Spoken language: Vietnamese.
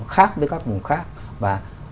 khác với các khu di tích